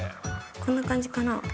こんな感じかな。